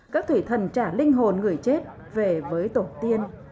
các thủy thần trả linh hồn người chết về với tổ tiên